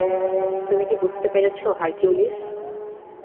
তুমি কি বুঝতে পেরেছ, হারকিউলিস?